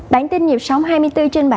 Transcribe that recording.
bản tin nhịp sóng hai mươi bốn trên bảy